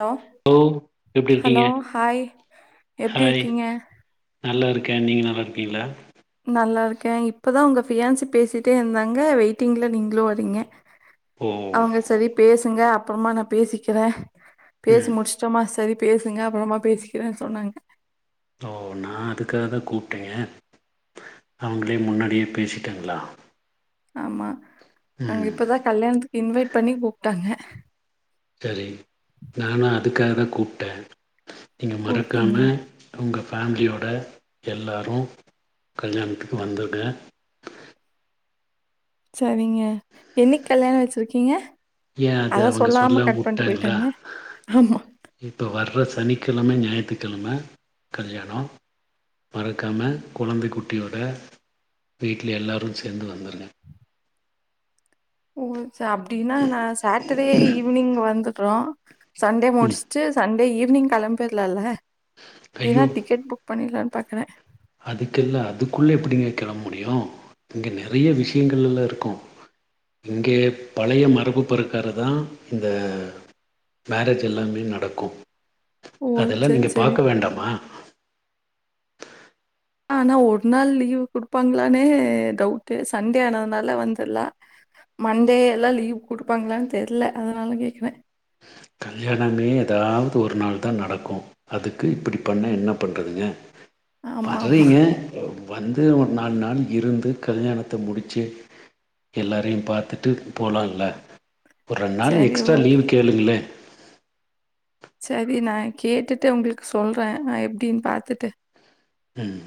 Hello ஓ எப்டி hello இருக்கீங்க ஹாய் எப்டி ஹாய் இருக்கீங்க நல்லா ருக்கே நீங்க நல்லாருக்கீங்களா நல்லா ருக்கே இப்பதா உங்க ஃபியான்சி பேசிட்டே இருந்தாங்க வெயிட்டிங்ல நீங்களு வரீங்க ஓ அவுங்க செரி பேசுங்க அப்பறமா நா பேசிக்கிறே பேசி ம் முடிச் சோமா செரி பேசுங்க அப்பறமா பேசிக்கிறே சொன்னாங்க ஓ நா அதுக்காக தா கூப்டே அவுங்களே முன்னாடியே பேசிட்டாங்களா ஆமா அவுங்க ம் இப்பதா கல்யாணத்துக்கு இன்வைட் பண்ணி கூப்டாங்க செரி நானு அதுக்காக தா கூப்டே நீங்க மறக்காம கூப்ட்டீங்களா உங்கள் ஃபேமிலியோட எல்லாரு கல்யாணத்துக்கு வந்துருட செரிங்க என்னைக்கு கல்யாணோ வச்சிருக்கீங்க ஏ அது அத அவங்க சொல்லாம கட் பண்ட்டு போயிட்டாங்க ஆமா இப்போ வர்ற சனிக்கெழம ஞாயிற்றுக்கெழம கல்யாணோ மறக்காம கொழந்த குட்டியோட வீட்ல எல்லோரு சேந்து வந்துருங்க ஓ ச அப்டின்னா நா சாட்டர்டே ஈவினிங் வந்துடுறோ சன்டே முடிஸ் ச்சு சன்டே ஈவினிங் கெளம்பிலால அப்டினா டிக்கெட் புக் பண்ணிடலானு பாக்குறே அதுக்கில்ல அதுக்குள்ள எப்டிங்க கெளம்ப முடியு இங்கே நெறைய விஷயங்கள் எல்லா இருக்கு இங்கே பழைய மரபு பறக்கார தா இந்த மேரேஜ் எல்லாமே நடக்கு ஓ! அதெல்லா சரி, நீங்க சரி. பாக்க வேண்டாமா ஆனா ஒரு நாள் லீவு குடுப்பாங்களானே டவுட்டு சன்டே ஆனதுனால வந்துர்லா மண்டே எல்லா லீவ் குடுப்பாங்களான்னு தெர்ல ஆ அதனால கேட்குறே கல்யாணமே ஏதாவது ஒரு நாள் தா நடக்கு அதுக்கு இப்டி பண்ண என்ன பண்றதுங்க ஆமா, ஆமா. வர்றீங்க வந்து ஒரு நாலு நாள் இருந்து கல்யாணத்த முடிச்சு எல்லாரையு பாத்துட்டு போலால ஒரு ரெண்டு நாள் சரி, எக்ஸ்ட்ரா ஓகே. லீவு கேளுங்களே செரி நா கேட்டுட்டு உங்களுக்கு சொல்றே நா எப்டினு பாத்துட்டு ம்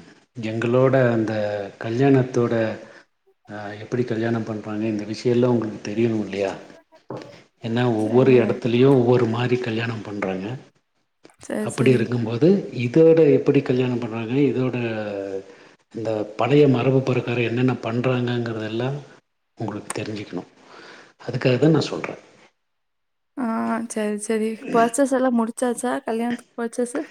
எங்களோட அந்த கல்யாணத்தோட அ எப்டி கல்யாண பண்றாங்க இந்த விஷயயெல்லா உங்களு தெரியணு இல்லையா ஏனா ஒவ்வொரு சரிங்க. எடத்துலயு ஒவ்வொரு மாரி கல்யாண பண்றாங்க சரி, அப்டி சரி. இருக்குபோது இதோட எப்டி கல்யாண பண்றாங்க இதோட இந்த பழைய மரபு பறக்கார என்னென்ன பண்ணுறாங்கங்கிறதெல்லா உங்களுக்கு தெரிஞ்சுக்கணு அதுக்காக தா நா சொல்றே ஆ செரி செரி பர்ச்சஸ் எல்லா முடிச்சாச்சா கல்யாணத்துக்கு பர்ச்சஸ்ஸு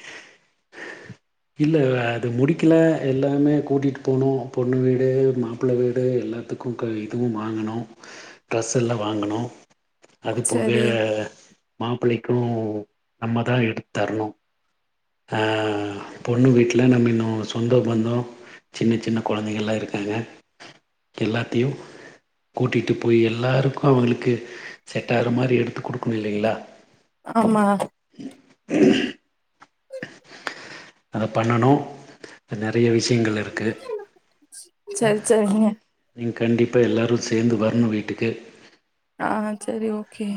இல்ல அது முடிக்கல எல்லாமே கூட்டிட்டு போனோ பொண்ணு வீடு மாப்பிள வீடு எல்லாத்துக்கு க இதுவு வாங்குனோ ட்ரஸ் எல்லா வாங்குனோ அது போக சரி. மாப்பிளைக்கு நம்ம தா எடுத் தர்ணு ஆ பொண்ணு வீட்ல நம்ம இன்னு சொந்தோ பந்தோ சின்ன சின்ன கொழந்தைங்கல்லா இருக்காங்க எல்லாத்தையு கூட்டிட்டு போய் எல்லாருக்கு அவுங்களுக்கு செட்டாகற மாரி எடுத்து குடுக்கணு இல்லீங்ளா ஆமா அத பண்ணணு நெறைய விஷயங்கள் இருக்கு சரி, சரிங்க. நீங்க கண்டிப்பா எல்லாரு சேந்து வரணு வீட்டுக்கு ஆ செரி ஓகே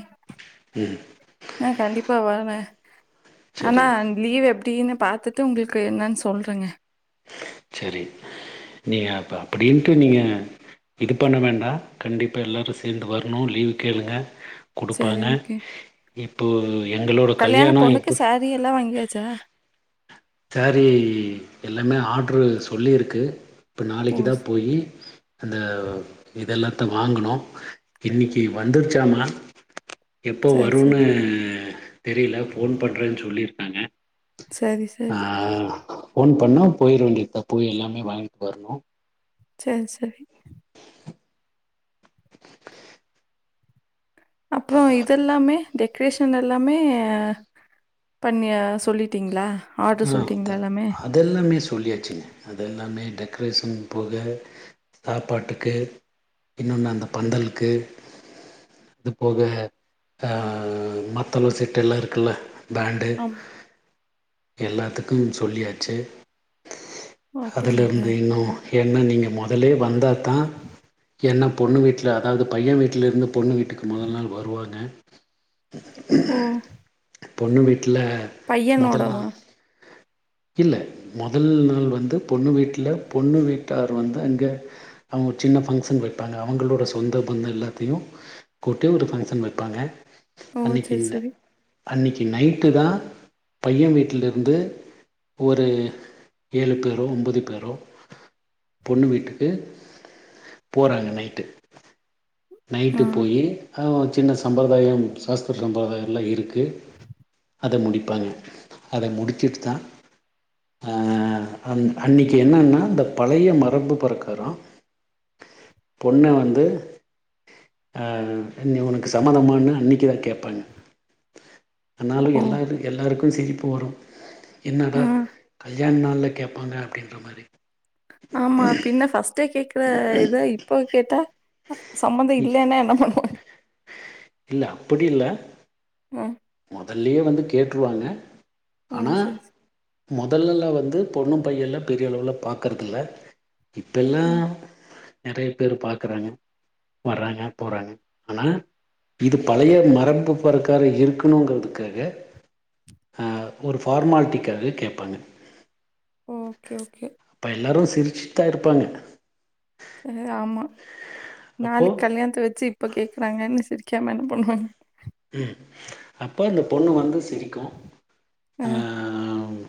ம் நா கண்டிப்பா வருவே ஆனா சரி லீவ் எப்டின்னு பாத்து ட்டு உங்கள்க்கு என்னான் சொல்றேங்க செரி நீங்க அப்ப அப்படின்ட்டு நீங்க இது பண்ண வேண்டா கண்டிப்பா எல்லாரு சேந்து வர்ணு லீவு கேளுங்க சரி குடுப்பாங்க ஓகே. இப்போ எங்களோட கல்யாணோ எப்போ ரி எல்லா வாங்கியாச்சா சேரி எல்லாமே ஆட்ரு சொல்லியிருக்கு இப்ப ஓ! நாளைக்கு தா ஸ்- போயி அந்த இதெல்லாத்த வாங்குனோ இன்னைக்கு வந்துருச்சாமா எப்போ சரி, வருன்னு சரி. தெரியில ஃபோன் பண்றேன் சொல்லிர்க்காங்க சேரி ஸ் ஆ ஃபோன் பண்ணா போயிர வேண்டியதா போய் எல்லாமே வாங்கிட் வர்ணு சேரி சேரி அப்றோ இதெல்லாமே டெக்ரேஷன் எல்லாமே பண்ணியா சொல்லிட்டீங்ளா ஆட்ரு சொல்ட்டீங்களா எல்லாமே தெல்லாமே சொல்லியாச்சுங் அதெல்லாமே டெக்ரேஷன் போக சாப்பாட்டுக்கு இன்னோனு அந்த பந்தல்க்கு அது போக ஆ மத்தளோ செட்டெல்லா இருக்குல்ல பேண்டு ஆமா. எல்லாத்துக்கு சொல்லியாச்சு ஓ! அப்படிங்களா? அதுலருந்து இன்னு ஏன்னா நீங்க மொதலே வந்தா தா என்ன பொண்ணு வீட்ல அதாவ்து பைய வீட்லருந்து பொண்ணு வீட்டுக்கு மொதல் நாள் வருவாங்க ம் பொண்ணு வீட்ல மொதல் பையனோடவா நாள் இல்ல மொதல் நாள் வந்து பொண்ணு வீட்ல பொண்ணு வீட்டார் வந்து அங்க அவுங்க சின்ன ஃபங்க்ஷன் வெப்பாங்க அவுங்களோட சொந்தோ பந்தோ எல்லாத்தையு கூட்டு ஒரு ஃபங்க்ஷன் வெப்பாங்க ஓ! அன்னைக் சரி, இந்த சரி. அன்னைக்கு நைட்டு தா பைய வீட்லிர்ந்து ஒரு ஏழு பேரோ ஒம்பது பேரோ பொண்ணு வீட்டுக்கு போறாங்க நைட்டு ஆ. நைட்டு போயி அது ஓ சின்ன சம்பரதாயம் சாஸ்திர சம்பரதாயல்லா இருக்கு அத முடிப்பாங்க அத முடிச்சிட் தா ஆ அந் அன்னைக்கி என்னன்னா இந்த பழைய மரபு பிரக்காரோ பொண்ண வந்து ஆ நீ உனக்கு சம்மதமான்னு அன்னைக்கு தா கேப்பாங்க ஆனாலு ஓ! எல்லாத்திக்கு எல்லாருக்கு சிரிப்பு வரு என்னடா ஆ. கல்யாண் நாள்ல கேப்பாங்க அப்டின்ற மாரி ஆமா பின்ன ஃபஸ்ட்டே கேக்கற இத இப்ப கேட்டா சம்மந்த இல்லேன்னா என்ன பண்ணுவாங்க இல்ல அப்படி இல்ல ம் மொதல்லியே வந்து கேட்ருவாங்க ஓ! ஆனா சரி, சரி. மொதல்லல்லா வந்து பொண்ணு பையெல்லா பெரிய அளவுல பாக்கறதில்ல இப்பெல்லா ம். நெறைய பேரு பாக்குறாங்க வர்றாங்க போறாங்க ஆனா இது பழைய மரபு பொறக்கார இருக் க்கணுங்கிறதுக்காக அ ஒரு ஃபார்மாலிட்டிக்காக கேப்பாங்க ஓகே ஓகே இப்ப எல்லாரு சிரிச்சுட்தா இருப்பாங்க அ ஆமா அப்போ நாளிக் கல்யாண்த்த வெச்சு இப்ப கேக்குறாங்கன்னு சிரிக்காம என்ன பண்ணுவாங்க ம் அப்ப அந்த பொண்ணு வந்து சிரிக்கு அ அ ம்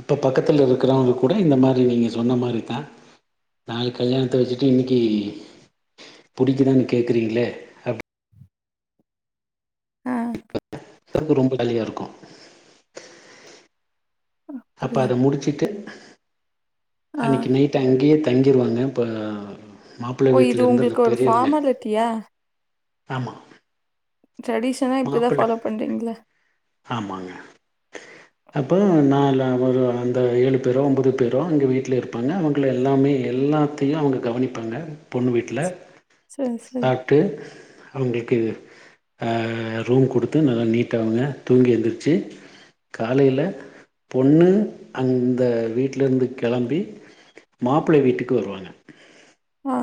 அப்ப பக்கத்தில இருக்கிறவங்கூட இந்த மாரி நீங்க சொன்ன மாரிதா நாளிக் கல்யாணத்த வெச்சுட்டு இன்னிக்கு புடிக்குதானு கேக்குறீங்ளே ஆ. அது ரொம்ப ஜாலியா இருக்கு அப்ப அப்படியா? அத முடிச்சுட்டு ஆ. அன்னிக்கு நைட்டு அங்கியே தங்கிருவாங்க இப்ப மாப்பிள்ள வீட்ல இருந்தந்த பெரியவங்க த்தியா ஆமா ட்ரெடிஷனா இப்டிதா மாப்பிள்ள ஃபாலோ பண்றிங்ல்ல ஆமாங்க அப்போ நால ஒரு அந்த ஏழு பேரோ உம்பது பேரோ அங்க வீட்லே இருப்பாங்க அவுங்ள எல்லாமே எல்லா த்தையு அவுங்க கவனிப்பாங்க பொண்ணு வீட்ல செர் செரி ட்டு அவுங்ளுக்கிது அ ரூம் குடுத்து நல்லா நீட்டா அவுங்க தூங்கி எந்திருச்சு காலையில பொண்ணு அந்த வீட்லந்து கெளம்பி மாப்பிளை வீட்டுக்கு வருவாங்க ஆ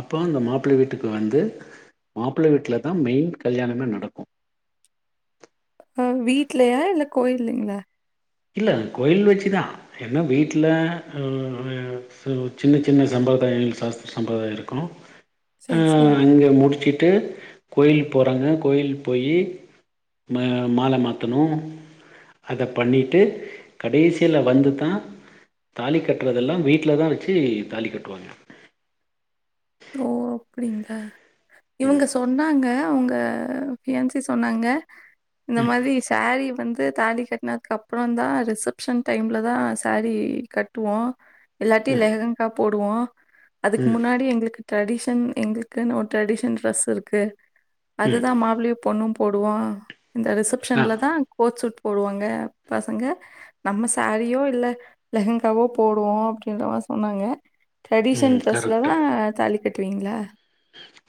அப்போ அந்த மாப்பிள வீட்டுக்கு வந்து மாப்பிள வீட்ல தா மெயின் கல்யாணமே நடக்கு அ வீட்லயா இல்ல கோயில்லைங்ளா இல்ல கோயில் வெச்சுதா என்ன வீட்ல அ அ ஸோ சின்ன சின்ன சம்பிரதாயங் சாஸ்திர சம்பிரதாய இருக்கு ஆ சரி, சரி. அங்க முடிச்சிட்டு கோயில் போறாங்க கோயில் போயி ம மால மாத்தணு அத பண்ணிட்டு கடைசியில வந்துதா தாலி கட்றதெல்லா வீட்ல தா வெச்சு தாலி கட்டுவாங்க ஓ அப்படிங்ளா இவங்க சொ ன்னாங்கங்க அவுங்க ஃபியான்சே சொன்னாங்க இந்த மாரி சேரீ வந்து தாலி கட்டனதுக் அப்றந்தா ரிசப்ஷன் டைம்ல தா சேரீ கட்டுவோ இல்லாட்டி லெஹெங்கா போடுவோ அதுக்கு ம் முன்னாடி எங்களுக்கு ட்ரெடிஷன் எங்களுக்குனு ஒரு ட்ரெடிஷன் ட்ரெஸ் இருக்கு ம் அதுதா மாப்ளியு பொண்ணும் போடுவோ இந்த ஆ ரிசப்ஷன்ல தா கோச் சூட் போடுவாங்க பசங்க நம்ம சேரீயோ இல்ல லெஹெங்காவோ போடுவோ அப்டின்றமா சொன்னாங்க ட்ரெடிஷன் ம் ட்ரெஸ்ல தா தாலி கட்டுவீங்களா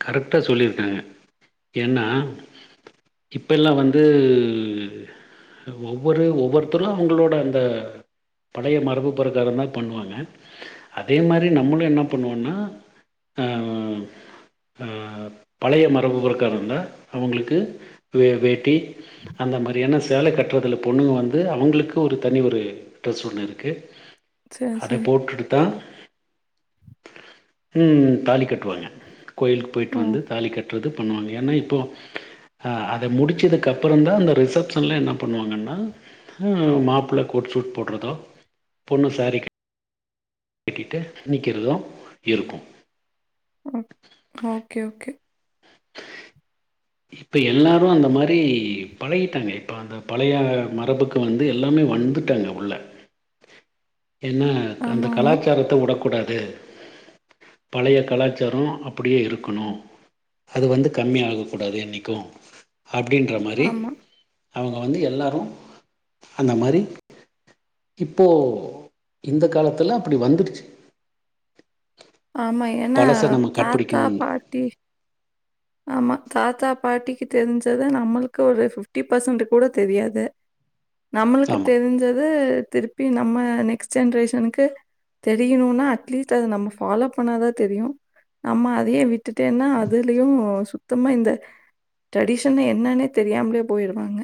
கருத்தா சொலிருக்காங்க ஏன்னா இப்பெல்லா வந்து ஒவ்வொரு ஒவ்வொருத்தர்லா அவங்களோட அந்த பழய மரபு பிரக்கார தா பண்ணுவாங்க அதே மாரி நம்மளு என்ன பண்ணுவோன்னா ஆ அ த பழைய மரபு பொருக்கரந்தா அவங்களுக்கு வே வேட்டி அந்த மாரியான சேல கட்றதுல பொண்ணுங்க வந்து அவங்களுக்கு ஒரு தனி ஒரு டிரஸ் ஒன்னு இருக்கு சரி, அத சரி. போடுட்டு தா ம் தாலி கட்டுவாங்க கோயிலுக்கு ஓ! போய்ட்டு வந்து தாலி கட்டுறது பண்ணுவாங்க ஏன்னா இப்போ அ அத முடிச்சதுக்கு அப்றந்தா அந்த ரிசப்ஷன்லா என்ன பண்ணுவாங்கன்னா ம் மாப்பிள்ள கோட் சூட் போடுறதோ பொண்ணு சேரி கட் கட்டிட்டு நிக்கறது இருக்கு ஓ ஓகே ஓகே இப்ப எல்லாரு அந்த மாரி பழகிட்டாங்க இப்ப த பழைய மரபுக்கு வந்து எல்லாமே வந்துட்டாங்க உள்ள ஏனா அந்த ஆமாமா. கலாச்சாரத்த உடக்கூடாது பழய கலாச்சார அப்படியே இருக்கணு அது வந்து கம்மியாக கூடாது என்னைக்கு அப்டின்ற மாரி ஆமா. ஆமா. அவங்க வந்து எல்லாரு அந்த மாரி இப்போ இந்த காலத்ல அப்டி வந்துர்ச் ஆமா ஏனா பழசை நம்ம தாத்தா கடைப்பிடிக்கணும்னு பாட்டி ஆமா தாத்தா பாட்டிக்கு தெரிஞ்சத நம்மளுக்கு ஒரு ஃபிப்டி பர்சன்ட்டு கூட தெரியாது நம்மளுக்கு ஆமாம் தெரிஞ்சது திருப்பி நம்ம நெக்ஸ்ட் ஜென்ரேஷனுக்கு தெரியணும்னா அட்லீஸ்ட் அத நம்ம ஃபாலோ பண்ணாதா தெரியு நம்ம அதே விட் ட்டுட்டேன்னா அதுலயு ஓ சுத்தமா இந்த ட்ரெடிஷன் என்னன்னே தெரியாமலேயே போயிருவாங்க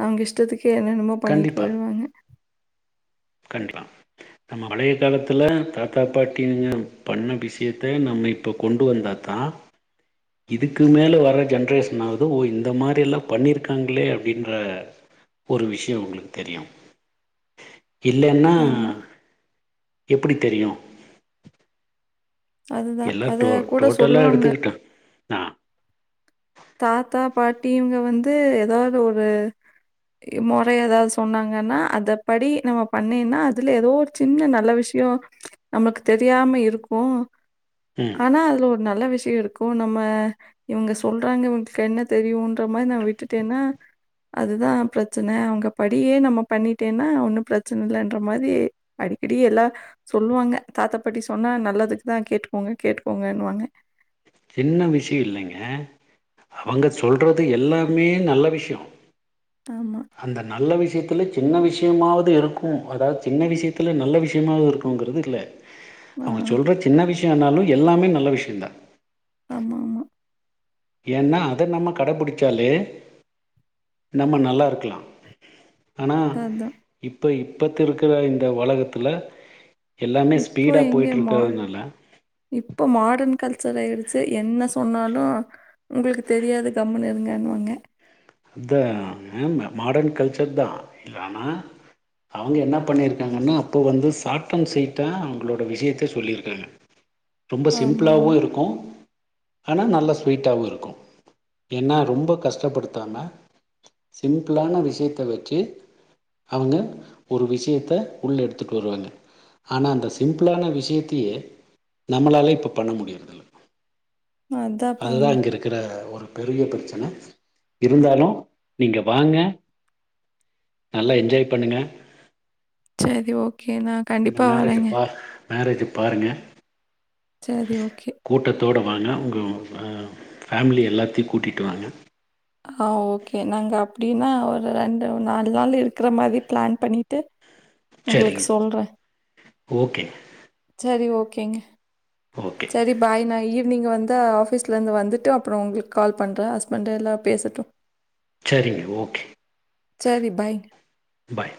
அவங்க இஷ்டத்துக்கே என்னென்னமோ பண்ணிட்டு போயிர்வாங்க கண்டிலா நம்ம பழைய காலத்தில தாத்தா பாட்டிங்க பண்ண விஷயத்த நம்ம இப்போ கொண்டு வந்தா தா இதுக்கு மேலே வர ஜென்ரேஷனாவது ஓ இந்த மாரில்லா பண்ணியிருக்காங்களே அப்படின்ற ஒரு விஷய உங்களுக்கு தெரியு இல்லன்னா ஆமா. எப்படி தெரியு அதுதான். அத எல்லாடோ கூட டோட்டல்லா சொல்லுவாங்க. எடுத்துக்கிட்டோ ஆ தாத்தா பாட்டிங்க இவங்க வந்து ஏதாவது ஒரு மொற ஏதாவது சொன்னாங்கன்னா அத படி நம்ம பண்ணீன்னா அதுல ஏதோர் சின்ன நல்ல விஷயோ நம்மளுக்கு தெரியாம இருக்கு ம் ஆனா அதுல ஒரு நல்ல விஷய இருக்கு நம்ம இவங்க சொல் ல்றாங்க இங்களுக்கு என்ன தெரியும்ன்ற மாரி நா விட்டுட்டேன்னா அதுதா ப்ரச்சன அவங்க படியே நம்ம பண்ணிட்டேன்னா ஒன்னு ப்ரச்சனை இல்லன்ற மாரி அடிக்கடி எல்லா சொல்லுவாங்க தாத்தா பாட்டி சொன்னா நல்லதுக்கு தா கேட்டுக்கோங்க கேட்டுக்கோங்கன்னு வாங்க சின்ன விஷய இல்லைங்க அவங்க சொல்றது எல்லாமே நல்ல விஷயோ ஆமா அந்த நல்ல விஷ்யத்தில சின்ன விஷ்யமாவது இருக்கு அதாவது சின்ன விஷ்யத்தில நல்ல விஷ்யமாவது இருக்குங்கிறது இல்ல ஆ. அவுங்க சொல்ற சின்ன விஷ்யோனாலு எல்லாமே நல்ல விஷ்யோந்தா ஆமாமா ஏனா அத நம்ம கடைப்பிடிச்சாலே நம்ம நல்லா இருக்கலா ஆனா அதான். இப்ப இப்பத்த இருக்கற இந்த உலகத்தில எல்லாமே இப்போ ஸ்பீடா எங்க போய்ட்டு மா இருக்கறதுனால இப்ப மாடர்ன் கல்ச்சர் ஆயிருச்சு என்ன சொன்னாலு உங்களுக்கு தெரியாது கம்முனு இருங்கனுவாங்க த மாடர்ன் கல்ச்சர்தா ஆனா அவுங்க என்ன பண்ணியருக்காங்கனா அப்போது வந்து சாட் அண்ட ஸ்வீட்டா அவுங்களோட விஷ்யத்த சொல்லிருக்காங்க ரொம்ப ஆமா, சிம்பிளாவு ஆமா. இருக்கு ஆனா நல்லா ஸ்வீட்டாவு இருக்கு ஏனா ரொம்ப கஷ்டப்படு த்தாம சிம்பிளான விஷ்யத்த வெச்சு அவுங்க ஒரு விஷ்யத்த உள்ள எடுத்துட்டு வருவாங்க ஆனா அந்த சிம்பிளான விஷ்யத்தயே நம்மளால இப்ப பண்ண முடியறதில்ல அதான் அதுதா பாருங்க. இங்க இருக்கிற ஒரு பெரிய பிரச்சன இருந்தாலு நீங்க வாங்க நல்லா என்ஜாய் பண்ணுங்க சேரி ஓகேணா இந்த மேரேஜ் பா மேரேஜ பாருங்க சேரி ஓகே கூட்டத்தோட வாங்க உங்க ஃபேமிலி எல்லாத்தையு கூட்டிட்டு வாங்க ஆ ஓகே நாங்க அப்டினா ஒரு ரெண்டு நாலு நாள் இருக்கிற மாரி ப்ளான் பண்ணிட்டு உங்களுக்கு சரிங்க சொல்ற ஓகேங்க செரி ஓகேங்க ஓகே செரி பாய் நா இவ் நீங்க வந்து ஆஃபீஸ்லந்து வந்துட்டு அப்றோ உங்களுக்கு கால் பண்ற ஹஸ்பண்ட எல்லா பேசட்டு செரிங்க ஓகே சரி பாய். பாய்